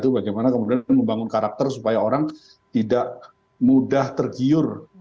bagaimana kemudian membangun karakter supaya orang tidak mudah tergiur